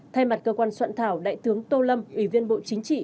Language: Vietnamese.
thay mặt cơ quan soạn thảo đại tướng tô lâm ủy viên bộ chính trị